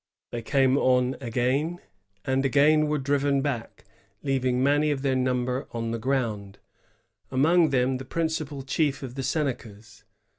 They came on again, and again were driven back, leaving many of their number on the ground, — among them the principal chief of the Senecas.